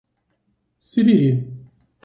Siriri